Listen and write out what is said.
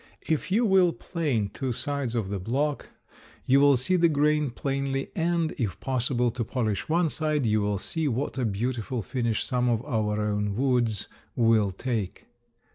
If you will plane off two sides of the block you will see the grain plainly, and, if possible to polish one side, you will see what a beautiful finish some of our own woods will take.